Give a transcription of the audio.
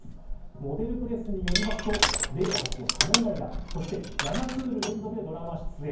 モデルプレスによりますと令和初の仮面ライダー、そして７クール連続でドラマ出演。